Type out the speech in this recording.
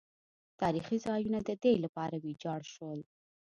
تاریخي ځایونه د دې لپاره ویجاړ شول.